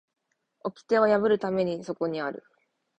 掟は破るためにそこにある